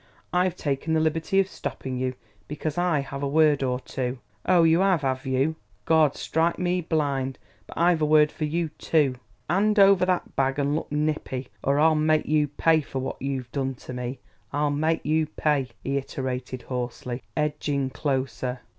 I've taken the liberty of stopping you because I have a word or two " "Ow, you 'ave, 'ave you? Gawd strike me blind, but I've a word for you, too!... 'And over that bag and look nippy, or I'll myke you pye for w'at you've done to me ... I'll myke you pye!" he iterated hoarsely, edging closer.